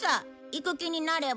行く気になれば。